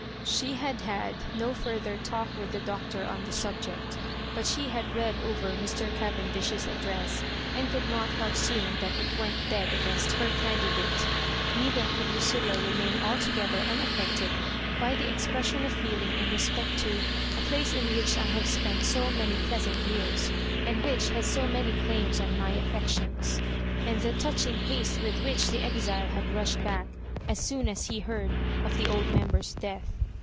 She had had no further talk with the Doctor on the subject; but she had read over Mr. Cavendish's address, and could not help seeing that it went dead against her candidate ; neither could Lucilla re main altogether unaffected by the expression of feeling in respect to " a place in which I have spent so many pleasant years, and which has so many claims on my affections," and the touching haste with which the exile had rushed back as soon as he heard of the old member's death.